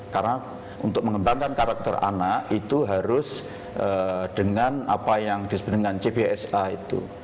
karena untuk mengembangkan karakter anak itu harus dengan apa yang disebut dengan gpsa itu